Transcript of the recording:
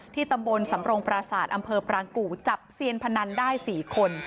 ที่ตำบลสำโปรงประสาทอำเภอปรางกุจับเซียนพนันได้๔คน